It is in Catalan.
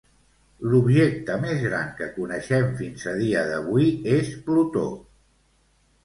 L'objecte més gran que coneixem fins a dia d'avui és Plutó.